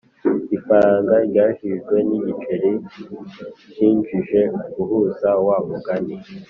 ifaranga ryakijijwe ni igiceri cyinjije guhuza wa mugani